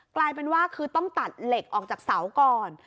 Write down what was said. กลายเป็นว่าคือต้องตัดเหล็กออกจากเสาก่อน